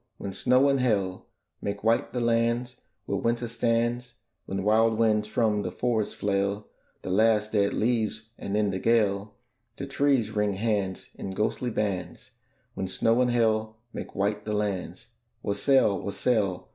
when snow and hail Make white the lands where Winter stands; When wild winds from the forests flail The last dead leaves, and, in the gale, The trees wring hands in ghostly bands: When snow and hail make white the lands, Wassail! wassail!